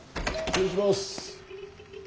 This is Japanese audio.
失礼します。